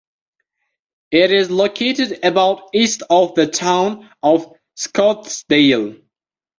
It is located about east of the town of Scottsdale.